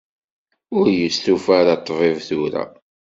Ur yestufa ara ṭṭbib tura.